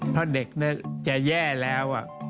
เพราะเด็กจะแย่แล้ว